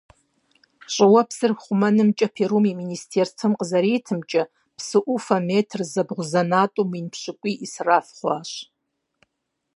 ЩӀыуэпсыр хъумэнымкӀэ Перу и министерствэм къызэритымкӀэ, псы Ӏуфэ метр зэбгъузэнатӀэу мин пщыкӏуий Ӏисраф хъуащ.